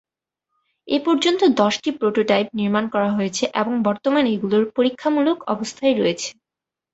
এ পর্যন্ত দশটি প্রোটোটাইপ নির্মাণ করা হয়েছে এবং বর্তমানে এগুলো পরীক্ষামূলক অবস্থায় রয়েছে।